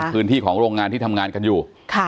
พื้นที่ของโรงงานที่ทำงานกันอยู่